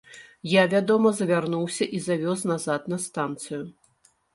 Я, вядома, завярнуўся і завёз назад на станцыю.